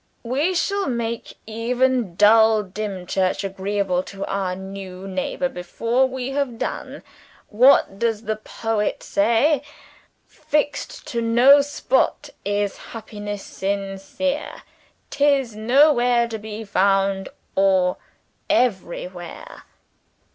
We shall make even dull Dimchurch agreeable to our new neighbor before we have done. What does the poet say? 'Fixed to no spot is happiness sincere; 'tis nowhere to be found, or everywhere.'